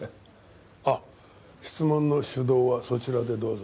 あっ質問の主導はそちらでどうぞ。